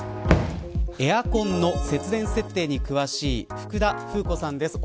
エアコンの節電設定に詳しい福田風子さんです。